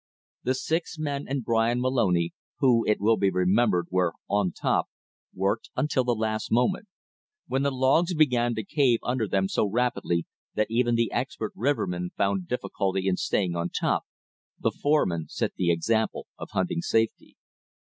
The six men and Bryan Moloney who, it will be remembered, were on top worked until the last moment. When the logs began to cave under them so rapidly that even the expert rivermen found difficulty in "staying on top," the foreman set the example of hunting safety.